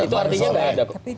itu artinya nggak ada